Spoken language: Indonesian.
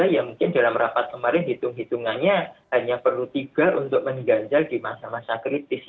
ya mungkin dalam rapat kemarin hitung hitungannya hanya perlu tiga untuk mengganjal di masa masa kritis